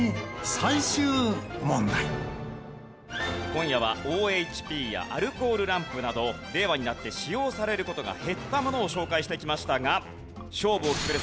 今夜はＯＨＰやアルコールランプなど令和になって使用される事が減ったものを紹介してきましたが勝負を決める